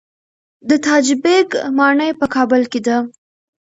د تاج بیګ ماڼۍ په کابل کې ده